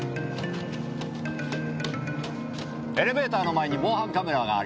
エレベーターの前に防犯カメラがありました。